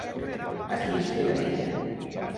A qui espera ella?